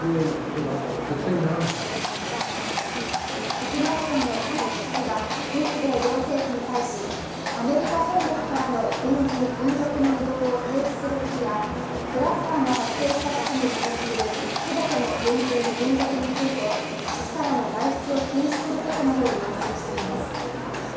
沖縄県の玉城知事は日米両政府に対し、アメリカ本国からの軍人・軍属の移動を停止することやクラスターが発生した基地に所属する全ての軍人・軍属について基地からの外出を禁止することなどを要請しています。